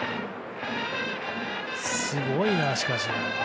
すごいな、しかし。